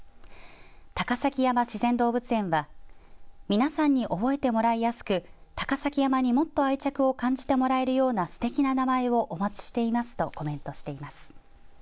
高崎山自然動物園は皆さんに覚えてもらいやすく高崎山にもっと愛着を感じてもらえるようなすてきな名前をお待ちしていますとコメントしています。